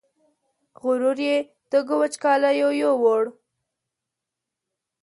غرور یې تږو وچکالیو یووړ